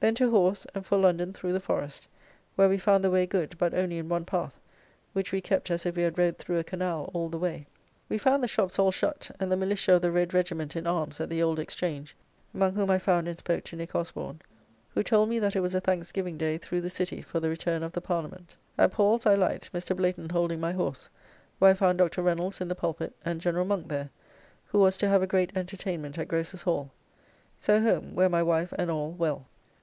Then to horse, and for London through the forest, where we found the way good, but only in one path, which we kept as if we had rode through a canal all the way. We found the shops all shut, and the militia of the red regiment in arms at the Old Exchange, among whom I found and spoke to Nich. Osborne, who told me that it was a thanksgiving day through the City for the return of the Parliament. At Paul's I light, Mr. Blayton holding my horse, where I found Dr. Reynolds' in the pulpit, and General Monk there, who was to have a great entertainment at Grocers' Hall. So home, where my wife and all well.